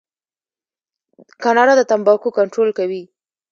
کاناډا د تمباکو کنټرول کوي.